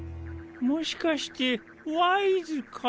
もしかしてワイズか？